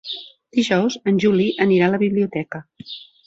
Dijous en Juli anirà a la biblioteca.